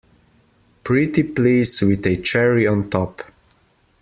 Pretty please with a cherry on top!